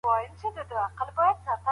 د خلکو ذهني روغتيا ته يې پام و.